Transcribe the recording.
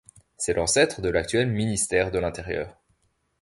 C'est l'ancêtre de l'actuel Ministère de l'Intérieur.